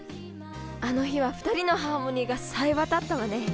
あの日はふたりのハーモニーがさえ渡ったわね。